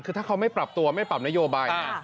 คือถ้าเขาไม่ปรับตัวไม่ปรับนโยบาย